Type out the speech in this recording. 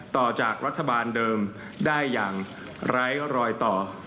ต่อจากรัฐบาลเดิมได้อย่างไร้รอยต่อ